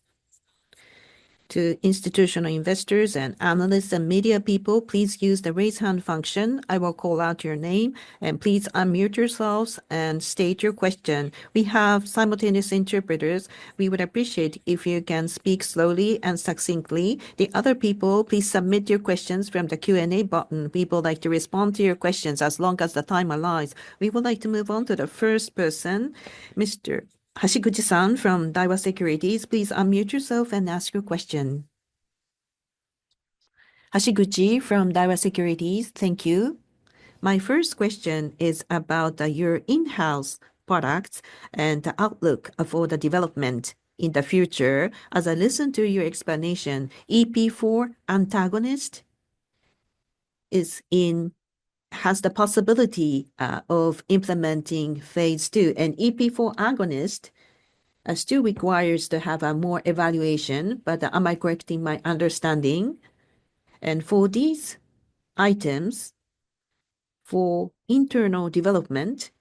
C: To institutional investors and analysts and media people, please use the raise hand function. I will call out your name, and please unmute yourselves and state your question. We have simultaneous interpreters. We would appreciate it if you can speak slowly and succinctly. The other people, please submit your questions from the Q&A button. We would like to respond to your questions as long as the time allows. We would like to move on to the first person, Mr. Hashiguchi-san from Daiwa Securities. Please unmute yourself and ask your question.
E: Hashiguchi from Daiwa Securities, thank you. My first question is about your in-house products and the outlook for the development in the future. As I listen to your explanation, EP4 antagonist has the possibility of implementing phase two, and EP4 agonist still requires to have a more evaluation, but am I correcting my understanding? For these items, for internal development,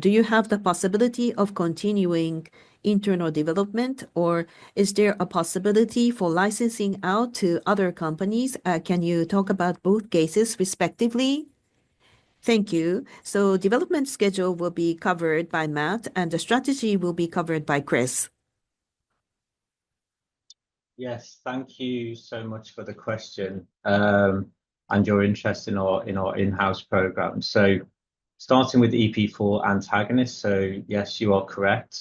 E: do you have the possibility of continuing internal development, or is there a possibility for licensing out to other companies? Can you talk about both cases respectively? Thank you. Development schedule will be covered by Matt, and the strategy will be covered by Chris. Yes, thank you so much for the question and your interest in our in-house program. Starting with EP4 antagonist, yes, you are correct.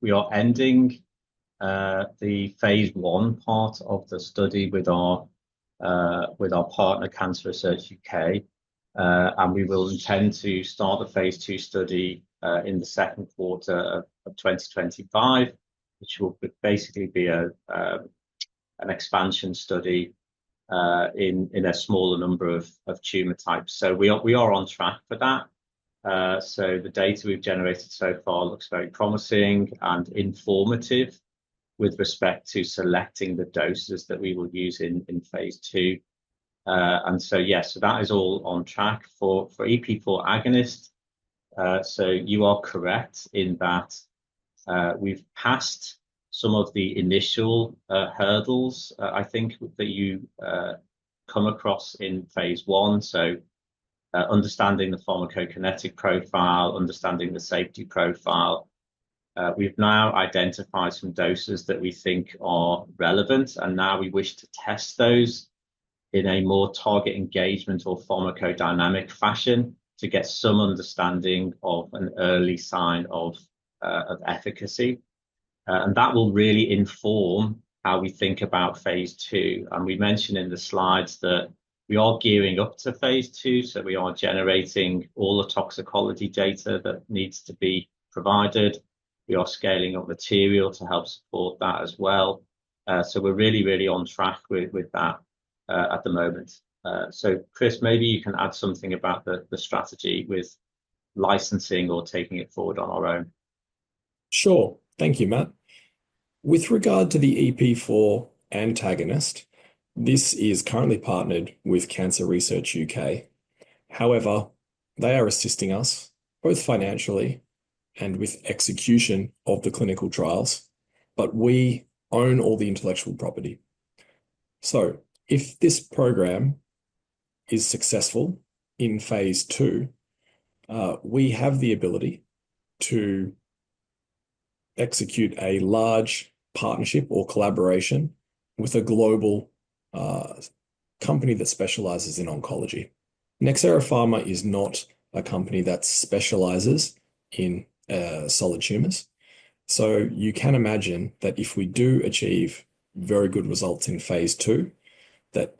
D: We are ending the phase one part of the study with our partner Cancer Research UK, and we will intend to start the phase two study in the second quarter of 2025, which will basically be an expansion study in a smaller number of tumor types. We are on track for that. The data we've generated so far looks very promising and informative with respect to selecting the doses that we will use in phase two. Yes, that is all on track for EP4 agonist. You are correct in that we've passed some of the initial hurdles, I think, that you come across in phase one. Understanding the pharmacokinetic profile, understanding the safety profile, we've now identified some doses that we think are relevant, and now we wish to test those in a more target engagement or pharmacodynamic fashion to get some understanding of an early sign of efficacy. That will really inform how we think about phase two. We mentioned in the slides that we are gearing up to phase two, so we are generating all the toxicology data that needs to be provided. We are scaling up material to help support that as well. We're really, really on track with that at the moment. Chris, maybe you can add something about the strategy with licensing or taking it forward on our own.
B: Sure. Thank you, Matt. With regard to the EP4 antagonist, this is currently partnered with Cancer Research UK. However, they are assisting us both financially and with execution of the clinical trials, but we own all the intellectual property. If this program is successful in phase two, we have the ability to execute a large partnership or collaboration with a global company that specializes in oncology. Nxera Pharma is not a company that specializes in solid tumors. You can imagine that if we do achieve very good results in phase two,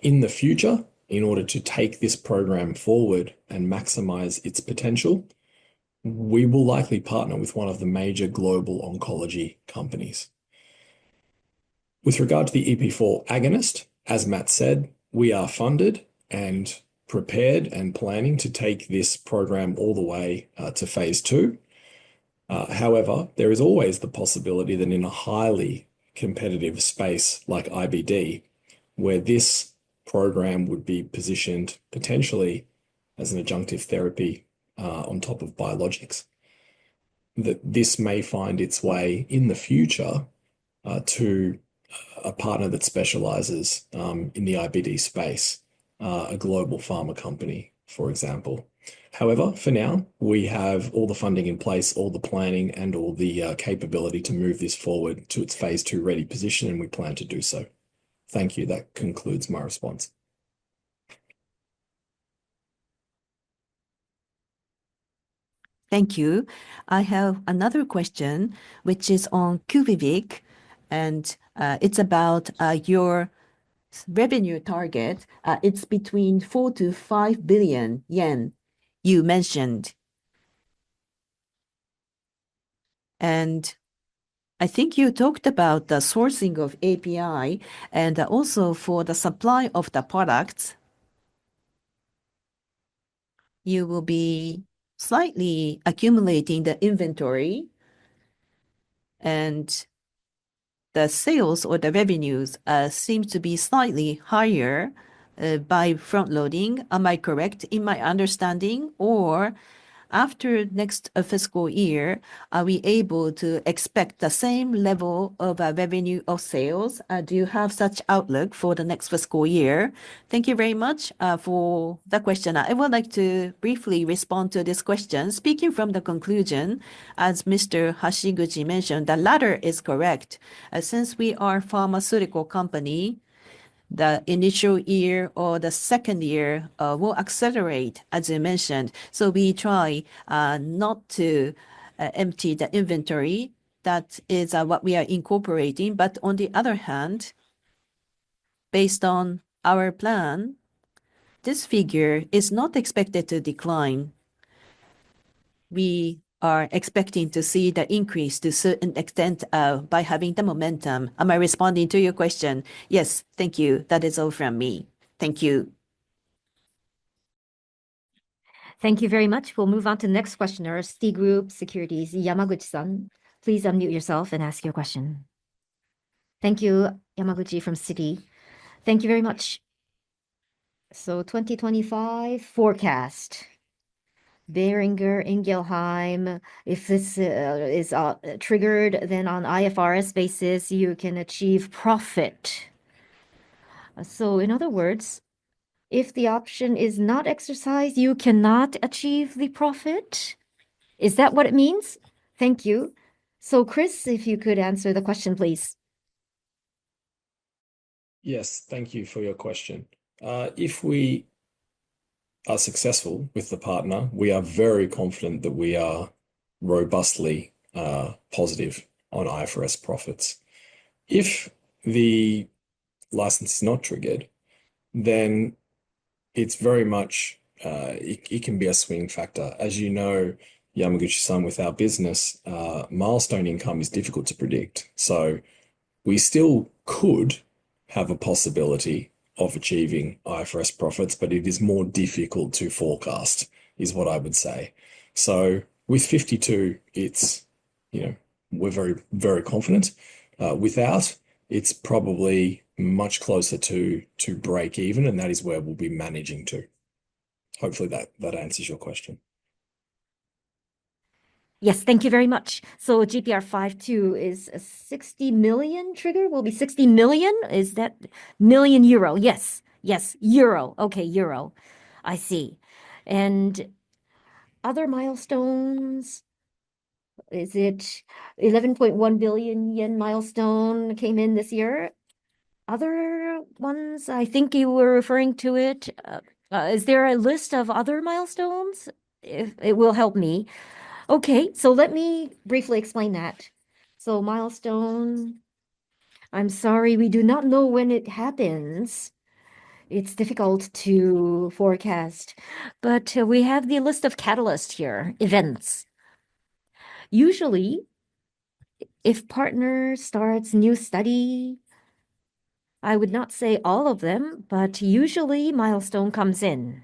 B: in the future, in order to take this program forward and maximize its potential, we will likely partner with one of the major global oncology companies. With regard to the EP4 agonist, as Matt said, we are funded and prepared and planning to take this program all the way to phase two. However, there is always the possibility that in a highly competitive space like IBD, where this program would be positioned potentially as an adjunctive therapy on top of biologics, that this may find its way in the future to a partner that specializes in the IBD space, a global pharma company, for example. However, for now, we have all the funding in place, all the planning, and all the capability to move this forward to its phase two ready position, and we plan to do so. Thank you. That concludes my response.
E: Thank you. I have another question, which is on QVIVIC, and it's about your revenue target. It's between 4 billion-5 billion yen you mentioned. I think you talked about the sourcing of API and also for the supply of the products. You will be slightly accumulating the inventory, and the sales or the revenues seem to be slightly higher by front-loading. Am I correct in my understanding? After next fiscal year, are we able to expect the same level of revenue or sales? Do you have such outlook for the next fiscal year? Thank you very much for the question. I would like to briefly respond to this question. Speaking from the conclusion, as Mr. Hashiguchi mentioned, the latter is correct. Since we are a pharmaceutical company, the initial year or the second year will accelerate, as you mentioned. We try not to empty the inventory. That is what we are incorporating. On the other hand, based on our plan, this figure is not expected to decline. We are expecting to see the increase to a certain extent by having the momentum. Am I responding to your question? Yes, thank you. That is all from me. Thank you.
C: Thank you very much. We'll move on to the next questioner, Citigroup Securities, Yamaguchi-san. Please unmute yourself and ask your question.
F: Thank you, Yamaguchi from Citi. Thank you very much. So 2025 forecast, Boehringer Ingelheim, if this is triggered, then on IFRS basis, you can achieve profit. In other words, if the option is not exercised, you cannot achieve the profit. Is that what it means? Thank you. Chris, if you could answer the question, please.
B: Yes, thank you for your question. If we are successful with the partner, we are very confident that we are robustly positive on IFRS profits. If the license is not triggered, then it can be a swing factor. As you know, Yamaguchi-san, with our business, milestone income is difficult to predict. We still could have a possibility of achieving IFRS profits, but it is more difficult to forecast, is what I would say. With 52, we're very, very confident. Without, it's probably much closer to break even, and that is where we'll be managing to. Hopefully, that answers your question.
F: Yes, thank you very much. GPR52 is a 60 million trigger? Will it be 60 million? Is that million euro? Yes. Yes, euro. Okay, euro. I see. Other milestones? Is it 11.1 billion yen milestone came in this year? Other ones, I think you were referring to it. Is there a list of other milestones? It will help me. Let me briefly explain that. Milestone, I'm sorry, we do not know when it happens. It's difficult to forecast. We have the list of catalysts here, events. Usually, if partner starts new study, I would not say all of them, but usually milestone comes in.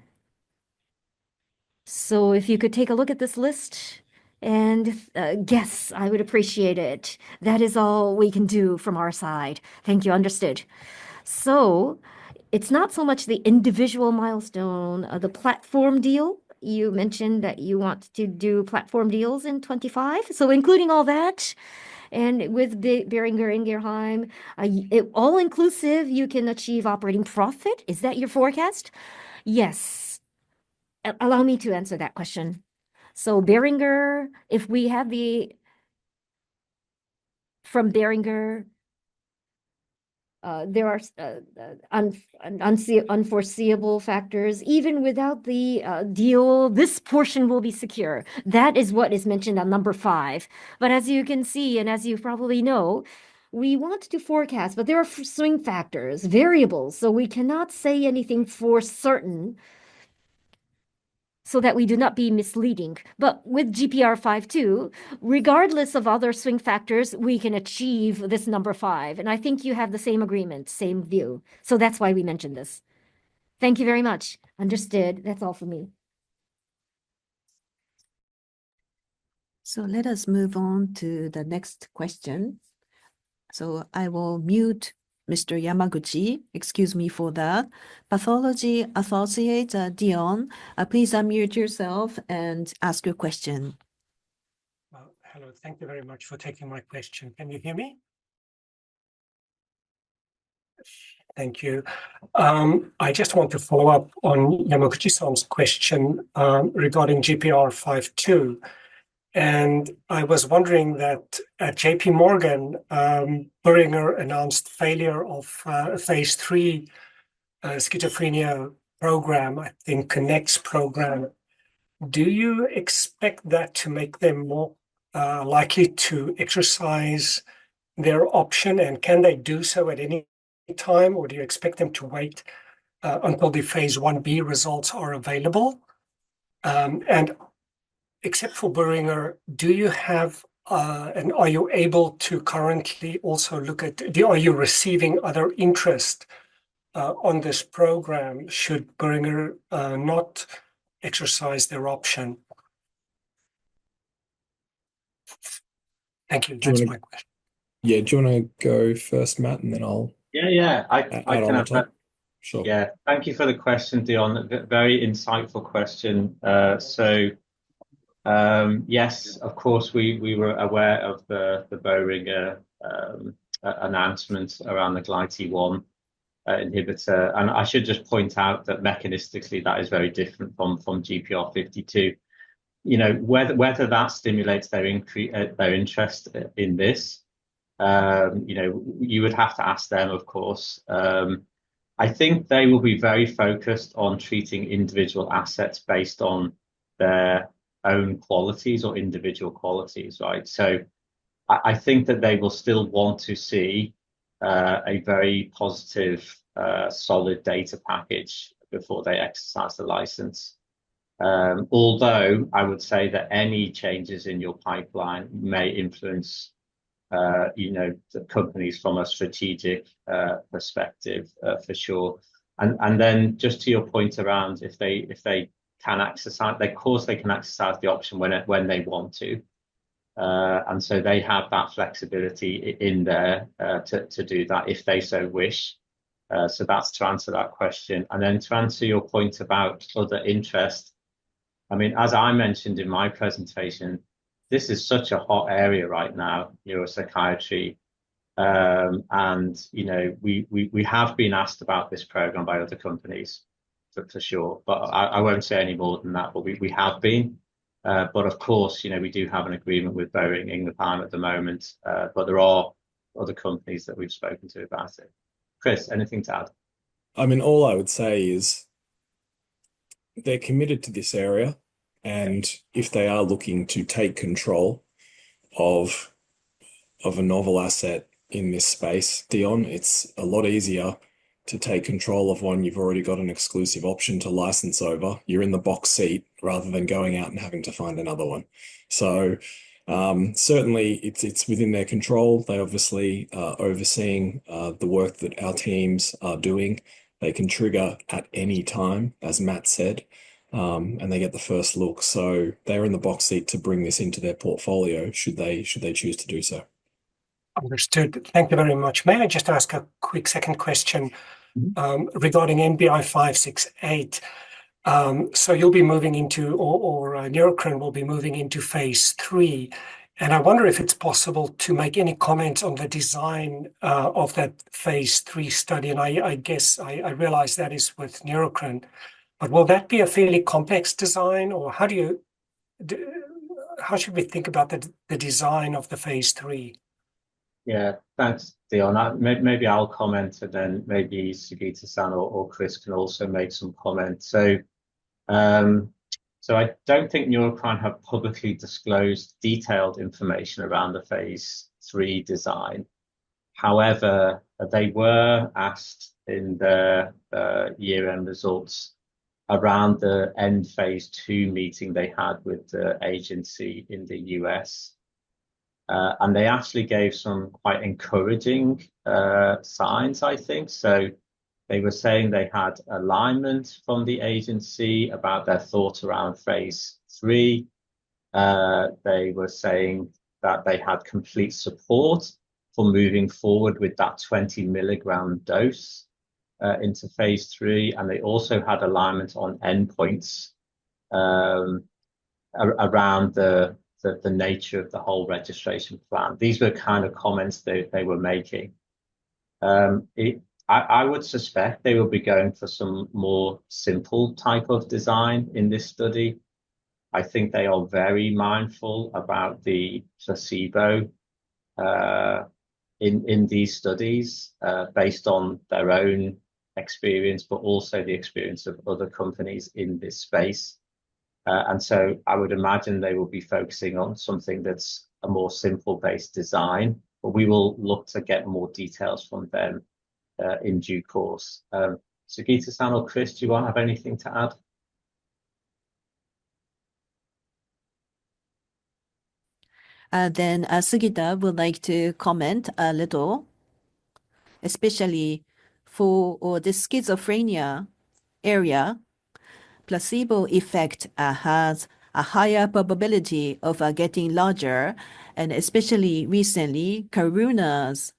F: If you could take a look at this list and guess, I would appreciate it. That is all we can do from our side. Thank you. Understood. It is not so much the individual milestone, the platform deal. You mentioned that you want to do platform deals in 2025. Including all that, and with Boehringer Ingelheim, all-inclusive, you can achieve operating profit. Is that your forecast? Yes. Allow me to answer that question. Boehringer, if we have the from Boehringer, there are unforeseeable factors. Even without the deal, this portion will be secure. That is what is mentioned on number five. As you can see, and as you probably know, we want to forecast, but there are swing factors, variables. We cannot say anything for certain so that we do not be misleading. With GPR52, regardless of other swing factors, we can achieve this number five. I think you have the same agreement, same view. That is why we mentioned this. Thank you very much. Understood. That is all for me.
C: Let us move on to the next question. I will mute Mr. Yamaguchi. Excuse me for that pathology associate, Dion. Please unmute yourself and ask your question.
G: Hello, thank you very much for taking my question. Can you hear me? Thank you. I just want to follow up on Yamaguchi-san's question regarding GPR52. I was wondering that at JPMorgan, Boehringer announced failure of a phase three schizophrenia program, I think the next program. Do you expect that to make them more likely to exercise their option?
C: Can they do so at any time, or do you expect them to wait until the phase one B results are available? Except for Boehringer, are you able to currently also look at, are you receiving other interest on this program should Boehringer not exercise their option? Thank you. That is my question. Yeah, do you want to go first, Matt, and then I'll?
D: Yeah, yeah. I can answer that. Sure. Thank you for the question, Dion. Very insightful question. Yes, of course, we were aware of the Boehringer announcements around the GlyT1 inhibitor. I should just point out that mechanistically, that is very different from GPR52. Whether that stimulates their interest in this, you would have to ask them, of course. I think they will be very focused on treating individual assets based on their own qualities or individual qualities. Right? I think that they will still want to see a very positive, solid data package before they exercise the license. Although I would say that any changes in your pipeline may influence the companies from a strategic perspective, for sure. Just to your point around if they can exercise, of course, they can exercise the option when they want to. They have that flexibility in there to do that if they so wish. That is to answer that question. To answer your point about other interest, I mean, as I mentioned in my presentation, this is such a hot area right now, neuropsychiatry. We have been asked about this program by other companies, for sure. I will not say any more than that, but we have been. Of course, we do have an agreement with Boehringer Ingelheim at the moment. There are other companies that we've spoken to about it. Chris, anything to add?
B: I mean, all I would say is they're committed to this area. If they are looking to take control of a novel asset in this space, Dion, it's a lot easier to take control of one you've already got an exclusive option to license over. You're in the box seat rather than going out and having to find another one. Certainly, it's within their control. They're obviously overseeing the work that our teams are doing. They can trigger at any time, as Matt said, and they get the first look. They're in the box seat to bring this into their portfolio should they choose to do so.
G: Understood. Thank you very much. May I just ask a quick second question regarding NBI-568? You'll be moving into or Neurocrine will be moving into phase three. I wonder if it's possible to make any comments on the design of that phase three study. I guess I realize that is with Neurocrine. Will that be a fairly complex design, or how should we think about the design of the phase three?
D: Yeah, thanks, Dion. Maybe I'll comment, and then maybe Sugita-san or Chris can also make some comments. I don't think Neurocrine have publicly disclosed detailed information around the phase three design. However, they were asked in the year-end results around the end phase two meeting they had with the agency in the U.S. They actually gave some quite encouraging signs, I think. They were saying they had alignment from the agency about their thoughts around phase three. They were saying that they had complete support for moving forward with that 20 milligram dose into phase three. They also had alignment on endpoints around the nature of the whole registration plan. These were kind of comments they were making. I would suspect they will be going for some more simple type of design in this study. I think they are very mindful about the placebo in these studies based on their own experience, but also the experience of other companies in this space. I would imagine they will be focusing on something that's a more simple-based design. We will look to get more details from them in due course. Sugita-san or Chris, do you want to have anything to add?
A: Sugita would like to comment a little, especially for the schizophrenia area. Placebo effect has a higher probability of getting larger. Especially recently, Karuna's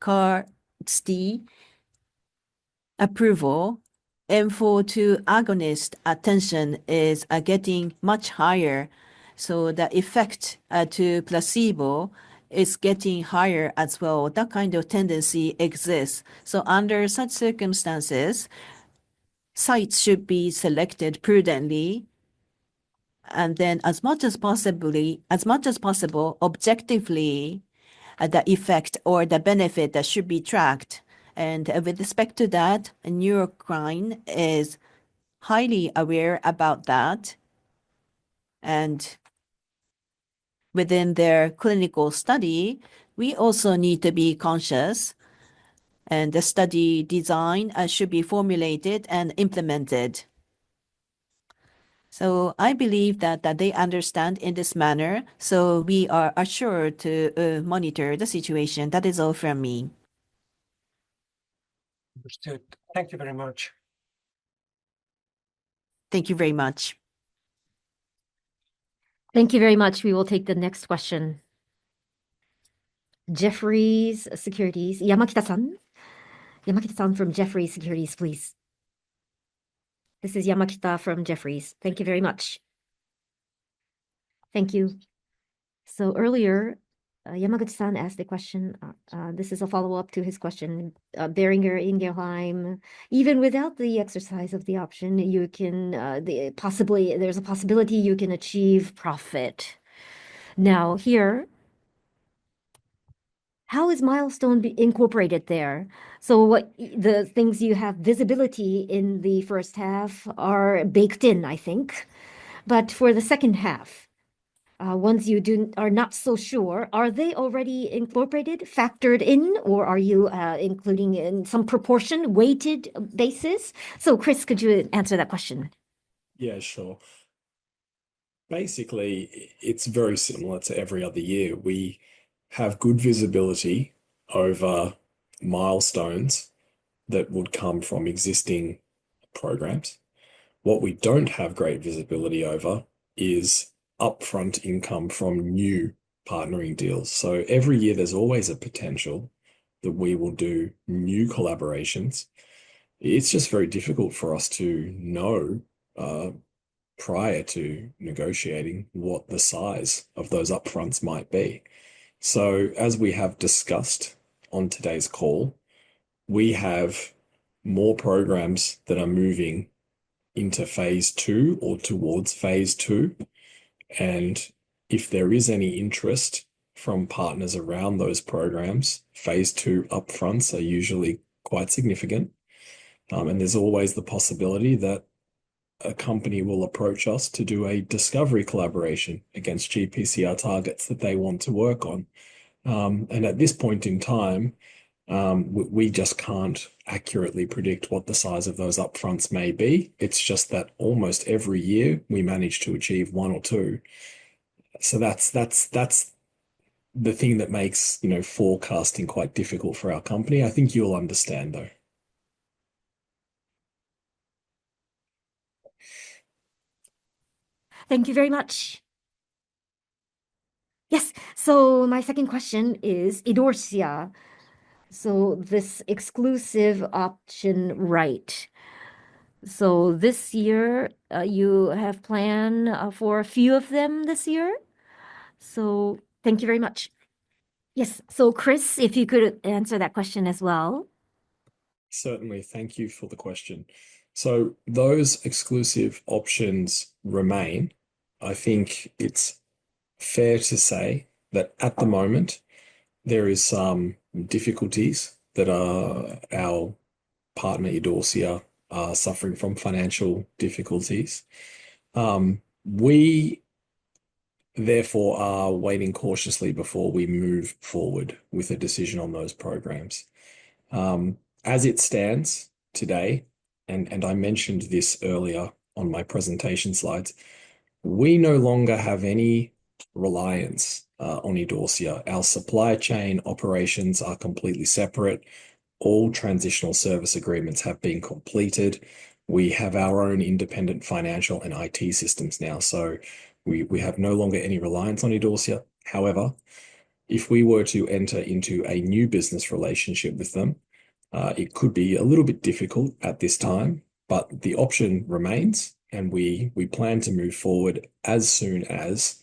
A: KarXT approval, M4 agonist attention is getting much higher. The effect to placebo is getting higher as well. That kind of tendency exists. Under such circumstances, sites should be selected prudently. As much as possible, objectively, the effect or the benefit that should be tracked. With respect to that, Neurocrine is highly aware about that. Within their clinical study, we also need to be conscious. The study design should be formulated and implemented. I believe that they understand in this manner. We are assured to monitor the situation. That is all from me.
G: Understood. Thank you very much.
A: Thank you very much.
C: Thank you very much. We will take the next question. Jefferies Securities, Yamagita-san. Yamagita-san from Jefferies Securities, please.
H: This is Yamagita from Jefferies. Thank you very much. Thank you. Earlier, Yamaguchi-san asked a question. This is a follow-up to his question. Boehringer Ingelheim, even without the exercise of the option, you can possibly, there's a possibility you can achieve profit. Now here, how is milestone incorporated there? The things you have visibility in the first half are baked in, I think. For the second half, once you are not so sure, are they already incorporated, factored in, or are you including in some proportion weighted basis? Chris, could you answer that question?
B: Yeah, sure. Basically, it's very similar to every other year. We have good visibility over milestones that would come from existing programs. What we do not have great visibility over is upfront income from new partnering deals. Every year, there is always a potential that we will do new collaborations. It's just very difficult for us to know prior to negotiating what the size of those upfronts might be. As we have discussed on today's call, we have more programs that are moving into phase two or towards phase two. If there is any interest from partners around those programs, phase two upfronts are usually quite significant. There is always the possibility that a company will approach us to do a discovery collaboration against GPCR targets that they want to work on. At this point in time, we just cannot accurately predict what the size of those upfronts may be. It is just that almost every year, we manage to achieve one or two. That is the thing that makes forecasting quite difficult for our company. I think you will understand, though.
H: Thank you very much. Yes. My second question is Idorsia. This exclusive option right. This year, you have planned for a few of them this year. Thank you very much. Yes. Chris, if you could answer that question as well. Certainly.
B: Thank you for the question. Those exclusive options remain. I think it's fair to say that at the moment, there are some difficulties that our partner, Idorsia, are suffering from financial difficulties. We therefore are waiting cautiously before we move forward with a decision on those programs. As it stands today, and I mentioned this earlier on my presentation slides, we no longer have any reliance on Idorsia. Our supply chain operations are completely separate. All transitional service agreements have been completed. We have our own independent financial and IT systems now. We have no longer any reliance on Idorsia. However, if we were to enter into a new business relationship with them, it could be a little bit difficult at this time. The option remains, and we plan to move forward as soon as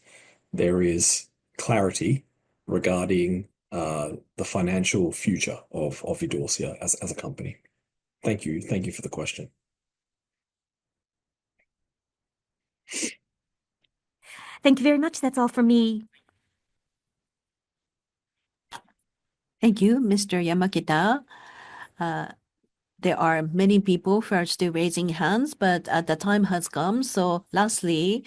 B: there is clarity regarding the financial future of Idorsia as a company. Thank you. Thank you for the question.
H: Thank you very much. That's all from me.
C: Thank you, Mr. Yamagita. There are many people who are still raising hands, but the time has come. Lastly,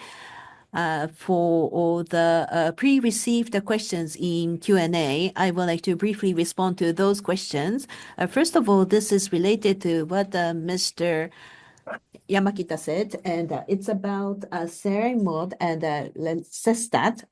C: for all the pre-received questions in Q&A, I would like to briefly respond to those questions. First of all, this is related to what Mr. Yamagita said. It is about Cenerimod and Lucerastat.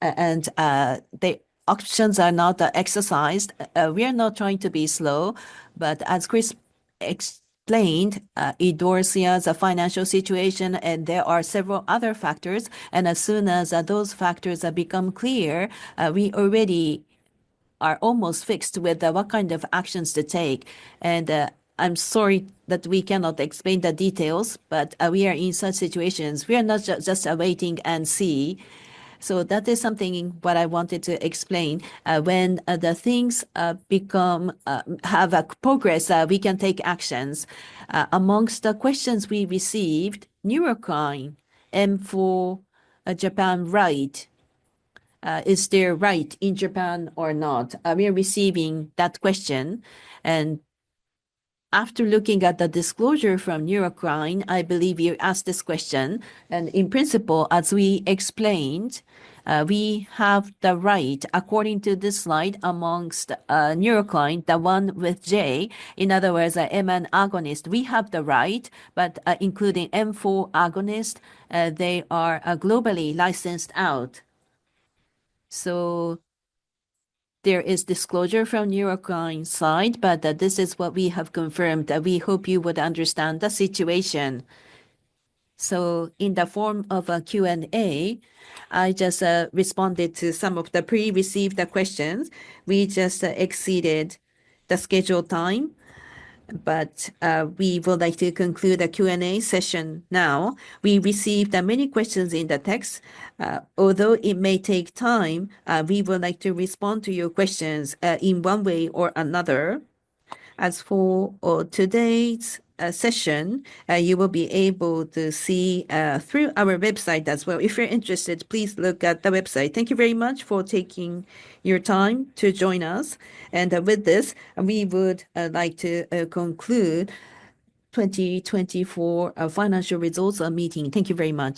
C: The options are not exercised. We are not trying to be slow. As Chris explained, Idorsia's financial situation, and there are several other factors. As soon as those factors become clear, we already are almost fixed with what kind of actions to take. I'm sorry that we cannot explain the details, but we are in such situations. We are not just waiting and see. That is something I wanted to explain. When things have progress, we can take actions. Amongst the questions we received, Neurocrine, M4, Japan right, is there right in Japan or not? We are receiving that question. After looking at the disclosure from Neurocrine, I believe you asked this question. In principle, as we explained, we have the right according to this slide amongst Neurocrine, the one with J. In other words, MN agonist, we have the right. Including M4 agonist, they are globally licensed out. There is disclosure from Neurocrine's side, but this is what we have confirmed. We hope you would understand the situation. In the form of a Q&A, I just responded to some of the pre-received questions. We just exceeded the scheduled time. We would like to conclude the Q&A session now. We received many questions in the text. Although it may take time, we would like to respond to your questions in one way or another. As for today's session, you will be able to see it through our website as well. If you're interested, please look at the website. Thank you very much for taking your time to join us. With this, we would like to conclude the 2024 financial results meeting. Thank you very much.